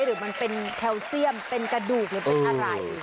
หรือมันเป็นแคลเซียมเป็นกระดูกหรือเป็นอะไร